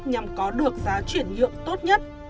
nhằm có được giá chuyển nhượng tốt nhất